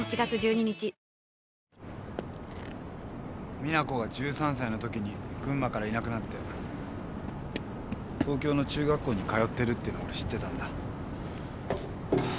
実那子が１３歳のときに群馬からいなくなって東京の中学校に通ってるっての俺知ってたんだ。